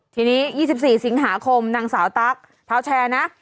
ทีนี้๒๔สิงหาคมนางสาวตั๊กเท้าแชร์นะ